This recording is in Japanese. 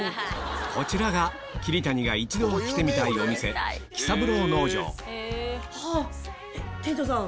こちらが桐谷が一度は来てみたいお店あっ店長さん。